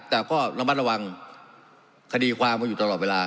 แต่ก็ระมัดระวังคดีความกันอยู่ตลอดเวลา